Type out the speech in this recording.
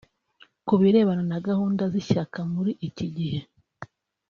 Ku birebana na gahunda z’ishyaka muri iki gihe